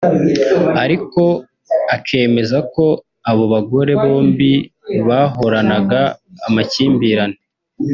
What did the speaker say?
Ariko akemeza ko abo bagore bombi bahoranaga amakimbirane